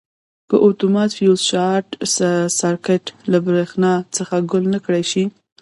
که اتومات فیوز شارټ سرکټ له برېښنا څخه ګل نه کړای شي.